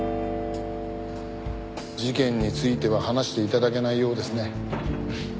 事件については話して頂けないようですね。